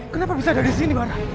kenapa bisa ada di sini bara